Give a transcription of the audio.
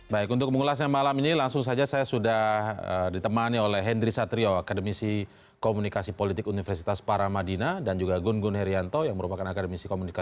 suci banjin cnn indonesia